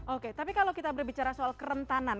oke tapi kalau kita berbicara soal kerentanan